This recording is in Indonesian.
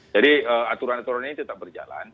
jadi aturan aturan ini tetap berjalan